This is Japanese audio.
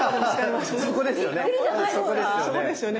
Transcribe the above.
そこですよね。